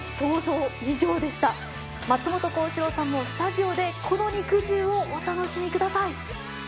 松本幸四郎さんもスタジオでこの肉汁をお楽しみください。